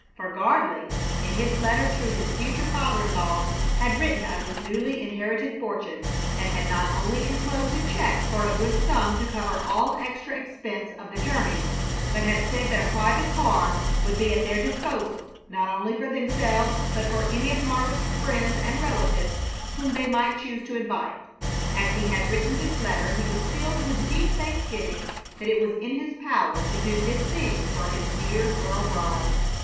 For Gardley, in his letter to his future father in law, had written of his newly inherited fortune, and had not only inclosed a check for a good sum to cover all extra expense of the journey, but had said that a private car would be at their disposal, not only for themselves, but for any of Margaret's friends and relatives whom they might choose to invite. As he had written this letter he was filled with deep thanksgiving that it was in his power to do this thing for his dear girl bride.